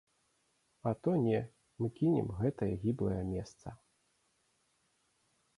А то не, мы кінем гэтае гіблае месца!